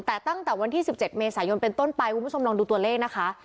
แต่ตั้งแต่วันที่๑๗เมษายนเป็นต้นไปคุณผู้ชมลองดูตัวเลขนะคะ